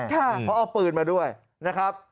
เขาเอาปืนมาด้วยนะครับ